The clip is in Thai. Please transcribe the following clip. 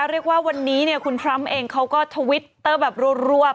เรียกว่าวันนี้คุณทรัมป์เองเขาก็ทวิตเตอร์แบบรวบ